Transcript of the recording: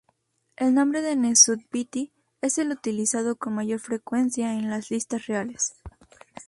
El "Nombre de Nesut-Bity" es el utilizado con mayor frecuencia en las Listas Reales.